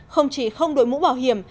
không chỉ không đội mũ bảo hiểm